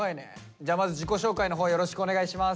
じゃあまず自己紹介のほうよろしくお願いします。